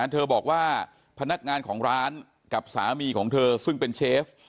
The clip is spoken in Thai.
เธอบอกว่าพนักงานของร้านกับสามีของเธอซึ่งเป็นเชฟ